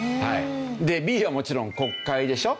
でＢはもちろん国会でしょ。